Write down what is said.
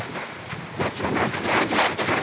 やつらなら必ずやり遂げる！